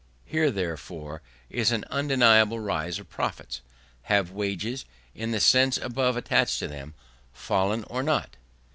Here, therefore, is an undeniable rise of profits. Have wages, in the sense above attached to them, fallen or not?